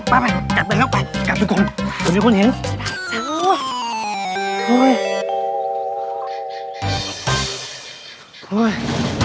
ไปไปกัดไปแล้วไปกัดพี่คนไปไปไปไปไป